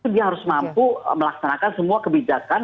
dia harus mampu melaksanakan semua kebijakan